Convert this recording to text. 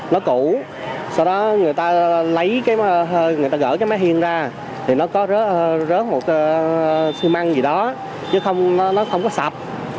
nó có rớt một xương măng gì đó chứ không có sập